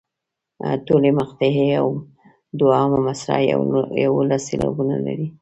ټولې مقطعې او دوهمه مصرع یوولس سېلابونه لري.